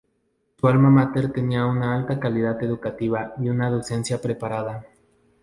Su alma mater tenía una alta calidad educativa y una docencia preparada.